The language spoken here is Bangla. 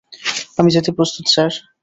আমি যেতে প্রস্তুত স্যার।